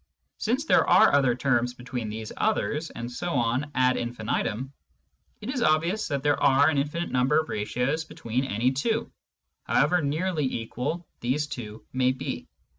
Since there are other terms between these others, and so on ad infinitum, it is obvious that there are an infinite number of ratios between any two, however nearly equal these two may be.